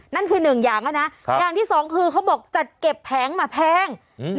นั่นคือหนึ่งอย่างแล้วนะอย่างที่สองคือเขาบอกจัดเก็บแผงมาแพง